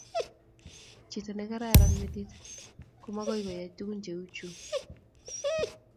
tchito ne karan metit ko magoy koyai tugun che uu chuu